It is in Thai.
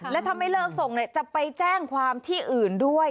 แล้วถ้าไม่เลิกส่งจะไปแจ้งความที่อื่นด้วย